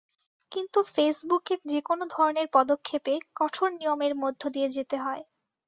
কিন্তু ফেসবুকের যেকোনো ধরনের পদক্ষেপে কঠোর নিয়মের মধ্য দিয়ে যেতে হয়।